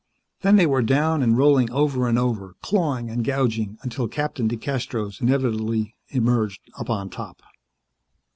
Then they were down and rolling over and over, clawing and gouging, until Captain DeCastros inevitably emerged upon top.